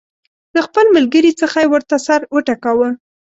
له خپل ملګري څخه یې ورته سر وټکاوه.